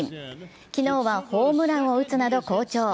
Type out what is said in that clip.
昨日はホームランを打つなど好調。